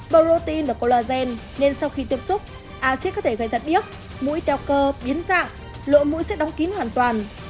bộ protein và collagen nên sau khi tiếp xúc axit có thể gây giật điếc mũi teo cơ biến dạng lộ mũi sẽ đóng kín hoàn toàn